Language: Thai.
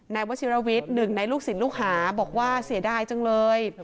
นายวจิรวิทย์๑ในลูกศิษย์ลูกหาบอกว่าเสียดายจังเลย